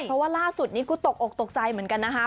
เพราะว่าล่าสุดนี้ก็ตกอกตกใจเหมือนกันนะคะ